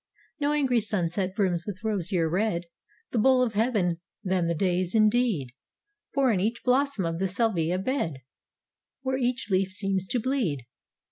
No angry sunset brims with rosier red The bowl of heaven than the days, indeed, Pour in each blossom of this salvia bed, Where each leaf seems to bleed.